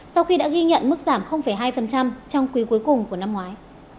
sau khi đã ghi nhận mức giảm hai trong quý cuối cùng của năm ngoái